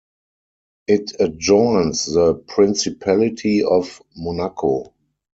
It adjoins the Principality of Monaco.